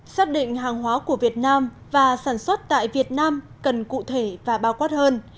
xác định hàng hóa của việt nam và sản xuất tại việt nam cần cụ thể và bao quát hơn